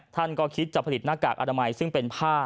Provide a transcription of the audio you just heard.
ท่านก็คิดจะผลิตหน้ากากอนามัยซึ่งเป็นผ้า